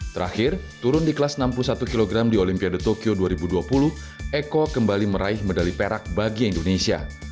terakhir turun di kelas enam puluh satu kg di olimpiade tokyo dua ribu dua puluh eko kembali meraih medali perak bagi indonesia